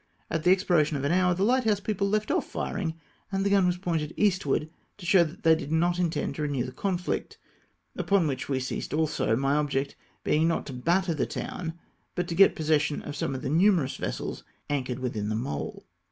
At the ex piration of an hour the hghthouse people left off firing, and the gim was pointed eastward to show that they did not intend to renew the conflict, upon which we ceased also, my object being not to batter the town, but to get possession of some of the numerous vessels anchored within the mole.